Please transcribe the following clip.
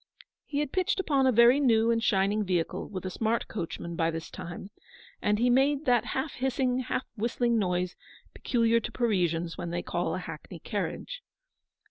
He had pitched upon a very new and shining vehicle, with a smart coachman, by this time, and he made that half hissing, half whistling noise peculiar to Parisians when they call a hackney carriage.